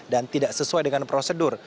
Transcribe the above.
dan tidak sesuai dengan prosedur